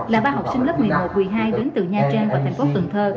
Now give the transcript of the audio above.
là ba học sinh lớp một mươi một một mươi hai đến từ nha trang và thành phố cần thơ